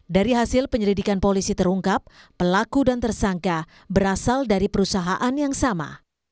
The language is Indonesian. dari hasil penyelidikan polisi terungkap pelaku dan tersangka berasal dari perusahaan yang sama